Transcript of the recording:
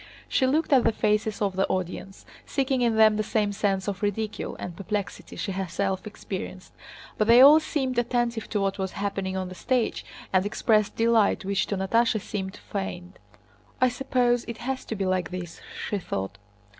She looked at the faces of the audience, seeking in them the same sense of ridicule and perplexity she herself experienced, but they all seemed attentive to what was happening on the stage, and expressed delight which to Natásha seemed feigned. "I suppose it has to be like this!" she thought.